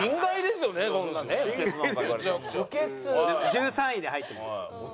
１３位に入ってます。